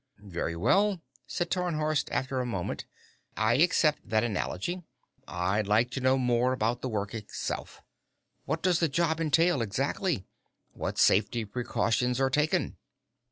"Very well," said Tarnhorst after a moment, "I accept that analogy. I'd like to know more about the work itself. What does the job entail, exactly? What safety precautions are taken?"